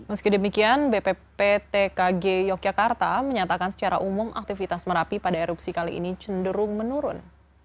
meski demikian bpptkg yogyakarta menyatakan secara umum aktivitas merapi pada erupsi kali ini cenderung menurun